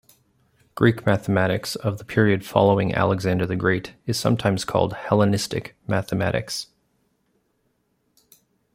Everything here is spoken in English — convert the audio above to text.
Greek mathematics of the period following Alexander the Great is sometimes called Hellenistic mathematics.